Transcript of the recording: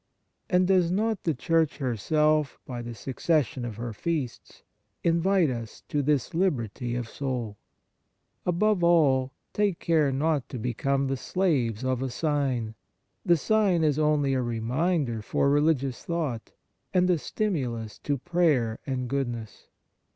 And does not the Church herself, by the succession of her feasts, invite us to this liberty of soul ? Above all, take care not to become the slaves of a sign. The sign is only a reminder for religious thought, and a stimulus to prayer and goodness.